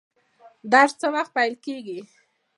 درس څه وخت پیل کیږي؟